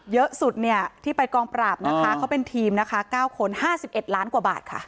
เยอะสุดเนี่ยที่ไปกองปราบนะคะเขาเป็นทีมนะคะ๙คน๕๑ล้านกว่าบาทค่ะ